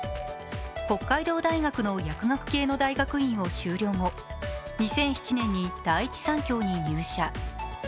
北海道大学の薬学系の大学院を修了後、２００７年に第一三共に入社。